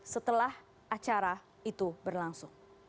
setelah acara itu berlangsung